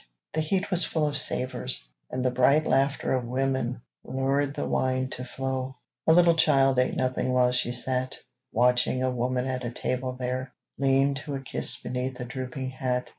The heat was full of savors, and the bright Laughter of women lured the wine to flow. A little child ate nothing while she sat Watching a woman at a table there Lean to a kiss beneath a drooping hat.